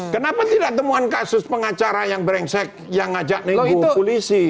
kenapa tidak temuan kasus pengacara yang brengsek yang ngajak nego polisi